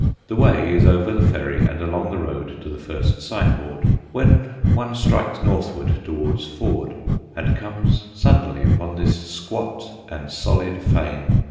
The way is over the ferry and along the road to the first signboard, when one strikes northward towards Ford, and comes suddenly upon this squat and solid fane.